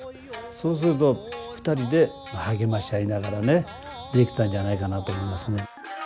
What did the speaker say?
そうすると２人で励まし合いながらねできたんじゃないかなと思いますね。